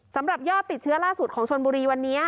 สำหรับยอดติดเชื้อล่าสุดของชนบุรีวันนี้